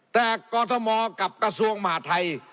แต่กรทมกับกระทรวงมหาทัย